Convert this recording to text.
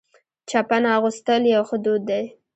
چپن اغوستل یو ښه دود دی.